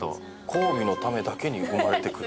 「交尾のためだけに生まれてくる」